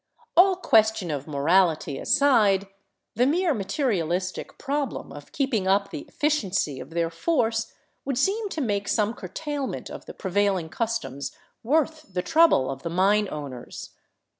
All question of " morality " aside, the mere materialistic problem of keep ing up the efficiency of their force would seem to make some curtail ment of the prevailing customs worth the trouble of the mine owners.